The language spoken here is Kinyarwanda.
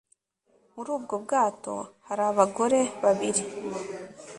Muri ubwo bwato hari abagore babiri